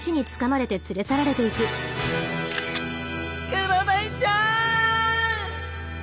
クロダイちゃん！